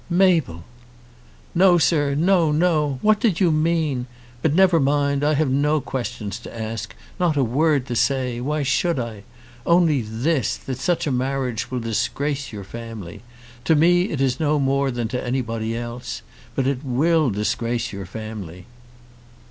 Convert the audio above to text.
"Mabel!" "No, sir, no; no! What did you mean? But never mind. I have no questions to ask, not a word to say. Why should I? Only this, that such a marriage will disgrace your family. To me it is no more than to anybody else. But it will disgrace your family."